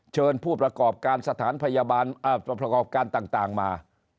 เชิญผู้ประกอบการสถานพยาบาลประกอบการต่างมา